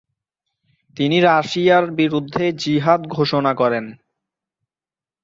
তিনি রাশিয়ার বিরুদ্ধে জিহাদ ঘোষণা করেন।